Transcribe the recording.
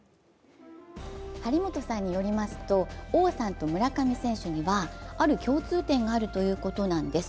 張本さんによりますと、王さんと村上選手にはある共通点があるということなんです。